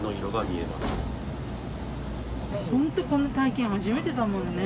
本当、こんな体験初めてだもんね。